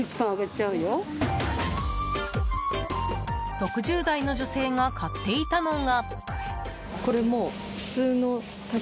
６０代の女性が買っていたのが。